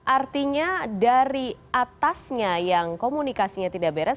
artinya dari atasnya yang komunikasinya tidak beres